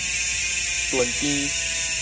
坉滇